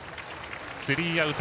スリーアウト。